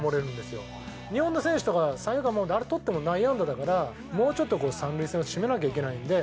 日本の選手とか三遊間あれ捕っても内野安打だからもうちょっと三塁線を締めなきゃいけないんで。